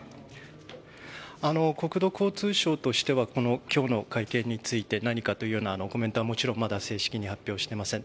国土交通省としては今日の会見について何かというようなコメントはまだ正式に発表していません。